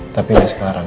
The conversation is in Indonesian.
tapi gak sekarang ya